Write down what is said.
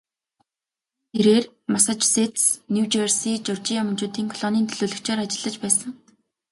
Хожим нь тэрээр Массачусетс, Нью Жерси, Жеоржия мужуудын колонийн төлөөлөгчөөр ажиллаж байсан.